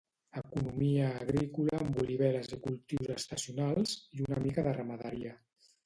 Economia agrícola amb oliveres i cultius estacionals, i una mica de ramaderia.